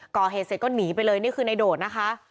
ก่อเหตุเสร็จก็หนีไปเลยนี่คือในโดดนะคะ